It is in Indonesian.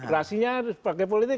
rasinya sebagai politik